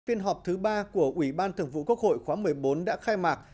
phiên họp thứ ba của ủy ban thường vụ quốc hội khóa một mươi bốn đã khai mạc